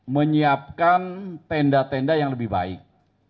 menyiapkan tenda tenda yang lebih baik